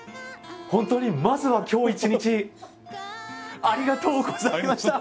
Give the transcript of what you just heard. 本当にまずは今日一日ありがとうございました。